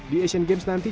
di asian games nanti